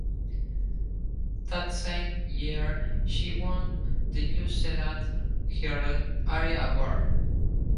That same year she won "The New Zealand Herald" Aria Award.